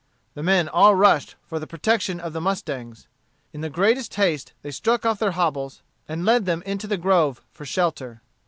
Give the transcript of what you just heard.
The men all rushed for the protection of the mustangs. In the greatest haste they struck off their hobbles and led them into the grove for shelter.